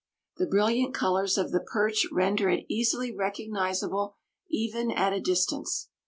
The brilliant colors of the perch render it easily recognizable even at a distance.